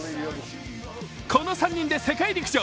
この３人で世界陸上！